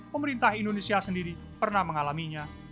pemerintah indonesia sendiri pernah mengalaminya